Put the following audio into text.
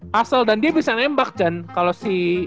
kasel dan dia bisa nembak jan kalau si